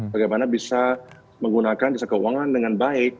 bagaimana bisa menggunakan jasa keuangan dengan baik